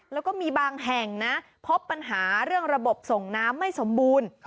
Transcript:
แล้วก็มีบางแห่งนะพบปัญหาเรื่องระบบส่งน้ำไม่สมบูรณ์